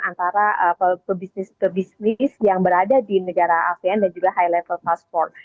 antara pebisnis pebisnis yang berada di negara asean dan juga high level transport